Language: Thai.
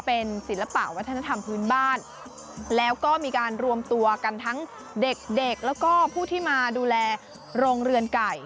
เป็นศิลปะวัฒนธรรมพื้นบ้านแล้วก็มีการรวมตัวกันทั้งเด็กเด็กแล้วก็ผู้ที่มาดูแลโรงเรือนไก่